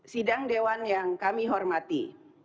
sidang dewan yang kami hormati